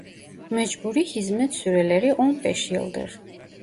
Mecburi hizmet süreleri on beş yıldır.